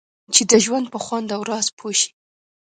چې د ژوند په خوند او راز پوه شئ.